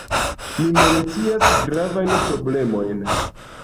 Mi mencias gravajn problemojn.